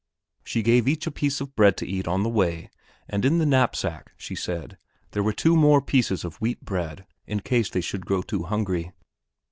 She gave each a piece of bread to eat on the way and in the knapsack, she said, there were two more pieces of wheat bread, in case they should grow too hungry.